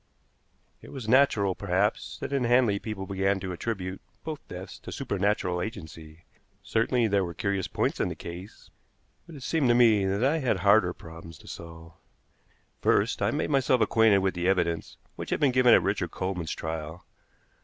It was natural, perhaps, that in Hanley people began to attribute both deaths to supernatural agency. Certainly there were curious points in the case, but it seemed to me that I had had harder problems to solve. First, I made myself acquainted with the evidence which had been given at Richard Coleman's trial.